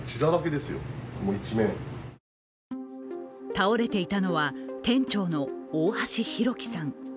倒れていたのは店長の大橋弘輝さん。